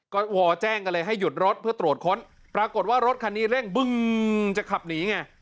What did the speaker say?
ก็วอแจ้งกันเลยให้หยุดรถเพื่อตรวจค้นปรากฏว่ารถคันนี้เร่งบึ้งจะขับหนีไง